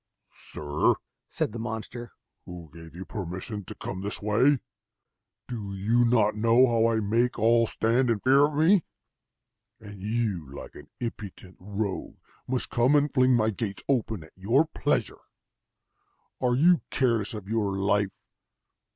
"Sir," said the monster, "who gave you permission to come this way? Do you not know how I make all stand in fear of me? and you, like an impudent rogue, must come and fling my gates open at your pleasure! Are you careless of your life?